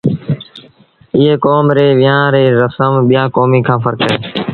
ايئ ڪوم ري ويهآݩ ريٚ رسم ٻيآݩ ڪوميݩ کآݩ ڦرڪ اهي